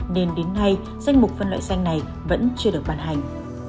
nên đến nay danh mục phân loại xanh này vẫn chưa được bàn hành